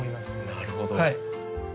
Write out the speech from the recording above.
なるほど。